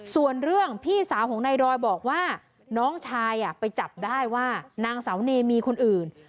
ส่วนเรื่องพี่สาวของนายดอยบอกว่าน้องชายไปจับได้ว่านางสาวเนมีคนอื่น